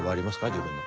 自分の。